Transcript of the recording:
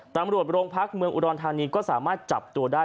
ตำรวจโรงพักเมืองอุดรธานีก็สามารถจับตัวได้